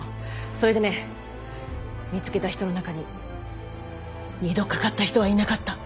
それでね見つけた人の中に二度かかった人はいなかった！